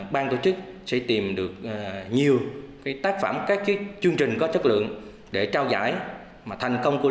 ban tổ chức sẽ tìm được nhiều tác phẩm các chương trình có chất lượng để trao giải thành công của